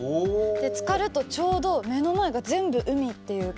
つかるとちょうど目の前が全部海っていう感じになって。